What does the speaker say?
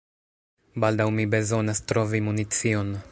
Baldaŭ mi bezonas trovi municion.